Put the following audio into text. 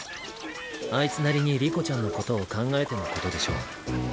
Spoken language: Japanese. あいつなりに理子ちゃんのことを考えてのことでしょう。